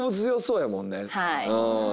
はい。